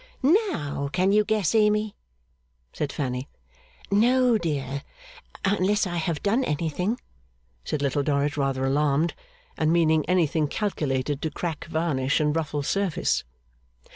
'Now, can you guess, Amy?' said Fanny. 'No, dear. Unless I have done anything,' said Little Dorrit, rather alarmed, and meaning anything calculated to crack varnish and ruffle surface.